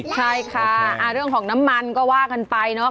ใช่ค่ะเรื่องของน้ำมันก็ว่ากันไปเนาะ